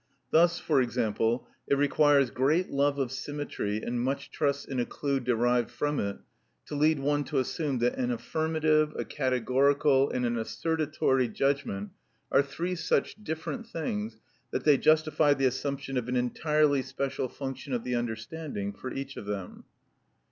Thus, for example, it requires great love of symmetry and much trust in a clue derived from it, to lead one to assume that an affirmative, a categorical, and an assertatory judgment are three such different things that they justify the assumption of an entirely special function of the understanding for each of them.